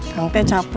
kang te capek ya